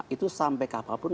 itu sampai ke apapun